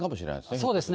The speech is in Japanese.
そうですね。